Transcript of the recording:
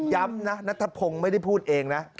ย้ำนะนัทพงศ์ไม่ได้พูดเองนะ